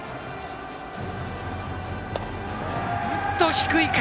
低いか。